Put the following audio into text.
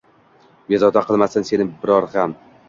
Bezovta qilmasin seni biror gam